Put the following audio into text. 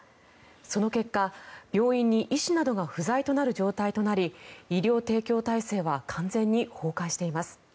その結果、病院に医師などが不在となる状態となり医療提供体制は完全に崩壊しています。